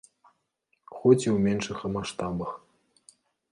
Хоць і ў меншых маштабах.